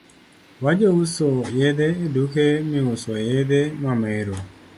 Wajouso yedhe e duka miusoe yedhe mamero